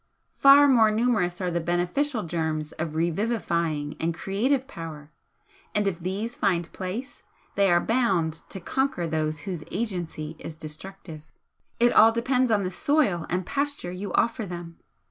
Far more numerous are the beneficial germs of revivifying and creative power and if these find place, they are bound to conquer those whose agency is destructive. It all depends on the soil and pasture you offer them.